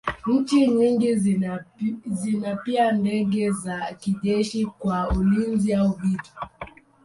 Nchi nyingi zina pia ndege za kijeshi kwa ulinzi au vita.